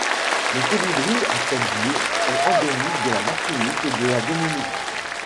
Le Colibri à tête bleue est endémique de la Martinique et de la Dominique.